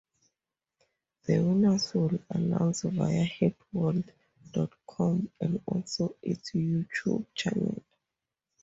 The winners will announced via Heatworld dot com and also its YouTube Channel.